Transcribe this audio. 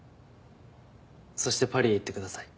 そしてパリへ行ってください。